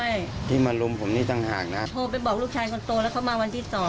โทรไปบอกลูกชายคนโตแล้วเขามาวันที่สอง